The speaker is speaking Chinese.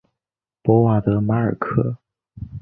博瓦德马尔克。